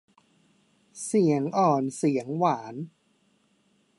เสียงอ่อนเสียงหวาน